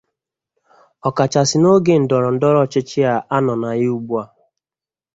ọkachasị n'oge ndọrọndọrọ ọchịchị à a nọ na ya ugbua.